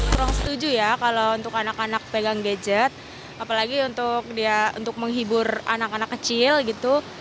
kurang setuju ya kalau untuk anak anak pegang gadget apalagi untuk menghibur anak anak kecil gitu